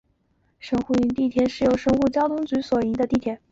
神户市营地铁是由神户市交通局所营运之地铁。